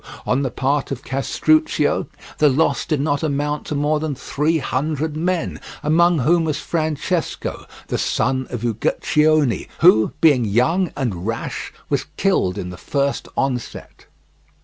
On the part of Castruccio the loss did not amount to more than three hundred men, among whom was Francesco, the son of Uguccione, who, being young and rash, was killed in the first onset.